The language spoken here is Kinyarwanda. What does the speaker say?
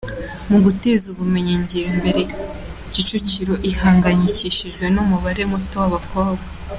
Mu guteza ubumenyingiro imbere Kicukiro ihangayikishijwe n’umubare muto w’abakobwa